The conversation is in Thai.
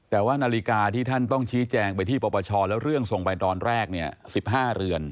แต่ว่านาฬิกาที่ท่านต้องชี้แจงไปที่ปปชแล้วเรื่องส่งไปตอนแรกเนี่ย๑๕เรือน